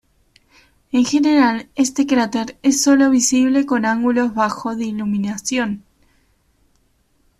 En general, este cráter es solo visible con ángulos bajos de iluminación.